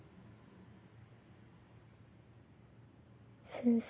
先生。